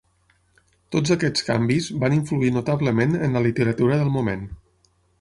Tots aquests canvis van influir notablement en la literatura del moment.